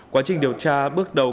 quá trình điều tra bước đầu